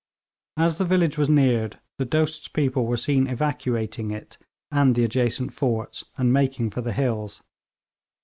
As the village was neared, the Dost's people were seen evacuating it and the adjacent forts, and making for the hills.